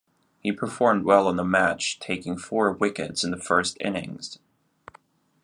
He performed well in the match taking four wickets in the first innings.